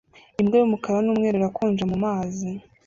Imbwa y'umukara n'umweru irakonja mumazi